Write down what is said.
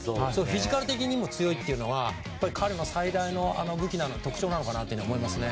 フィジカル的にも強いというのは彼の最大の武器特徴なのかなと思いますね。